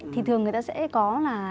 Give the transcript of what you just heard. thì thường người ta sẽ có là